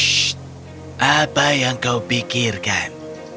sh apa yang kau pikirkan